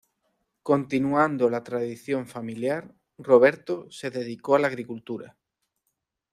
Continuando la tradición familiar, Roberto se dedicó a la agricultura.